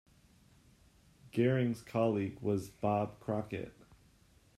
Garing's colleague was Bob Crockett.